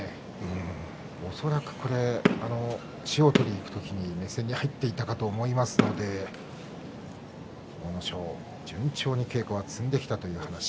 恐らく塩を取りに行く時に目線に入っていたかと思いますので阿武咲、順調に稽古を積んできたという話。